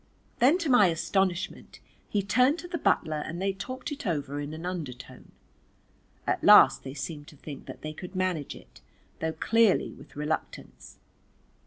Then to my astonishment he turned to the butler and they talked it over in an undertone. At last they seemed to think that they could manage it, though clearly with reluctance.